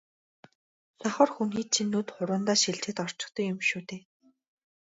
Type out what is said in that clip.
сохор хүний чинь нүд хуруундаа шилжээд орчихдог юм шүү дээ.